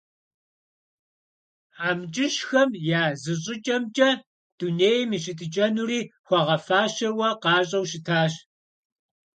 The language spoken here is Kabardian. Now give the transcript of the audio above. АмкӀыщхэм я зыщӀыкӀэмкӀэ, дунейм и щытыкӀэнури хуэгъэфэщауэ къащӀэу щытащ.